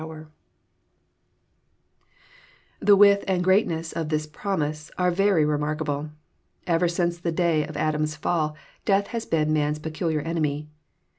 128 BXPOsrroEY thoughts. The width and greatness of this promise are very reinaikable. Ever since the day of Adam's fall death has been man's peculiar enemy.